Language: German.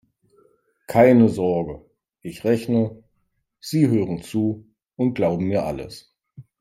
Keine Sorge: Ich rechne, Sie hören zu und glauben mir alles.